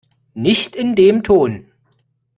Nicht in dem Ton!